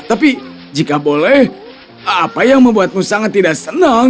tapi jika boleh apa yang membuatmu sangat tidak senang